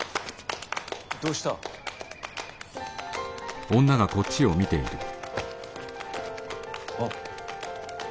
どうした？あっ。